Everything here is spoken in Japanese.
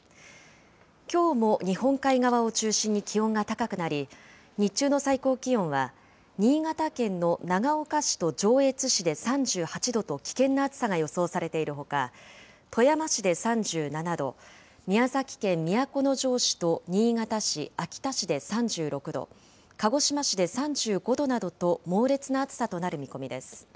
きょうも日本海側を中心に気温が高くなり、日中の最高気温は新潟県の長岡市と上越市で３８度と、危険な暑さが予想されているほか、富山市で３７度、宮崎県都城市と新潟市、秋田市で３６度、鹿児島市で３５度などと猛烈な暑さとなる見込みです。